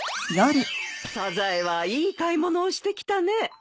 サザエはいい買い物をしてきたね。